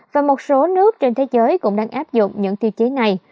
và một số nước trên thế giới cũng đang áp dụng những tiêu chí này